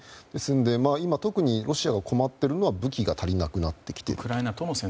今、特にロシアが困っているのは武器が足りなくなっている。